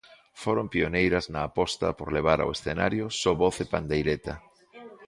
Foron pioneiras na aposta por levar ao escenario só voz e pandeireta.